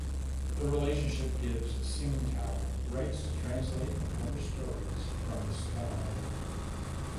The relationship gives "Sing Tao" rights to translate and publish stories from the "Star".